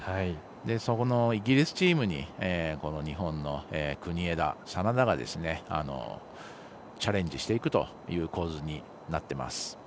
そのイギリスチームに日本の国枝眞田がチャレンジしていくという構図になっています。